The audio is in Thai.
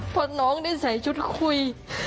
พอน้องได้ใส่ชุดคุย